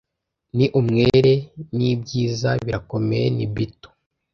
ni umwere nibyiza birakomeye ni bito